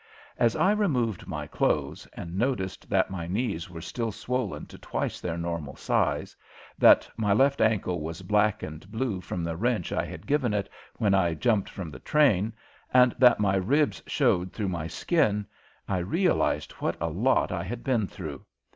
As I removed my clothes and noticed that my knees were still swollen to twice their normal size, that my left ankle was black and blue from the wrench I had given it when I jumped from the train, and that my ribs showed through my skin, I realized what a lot I had been through.